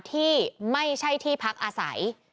ที่ไม่ใช่ที่พักอาศัย